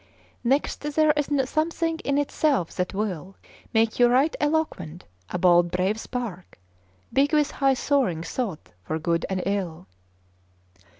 Next there is something in itself that will Make you right eloquent, a bold brave spark, '' Big with high soaring thoughts for good and ill.